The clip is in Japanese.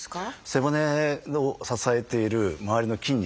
背骨を支えている周りの筋肉。